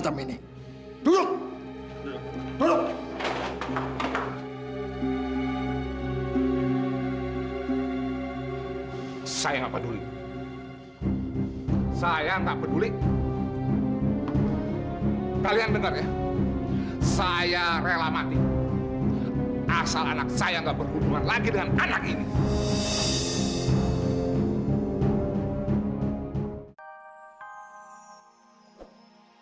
sampai jumpa di video selanjutnya